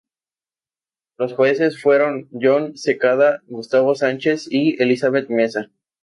Los jueces fueron: Jon Secada, Gustavo Sánchez y Elizabeth Meza.